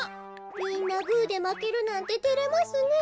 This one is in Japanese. みんなグーでまけるなんててれますねえ。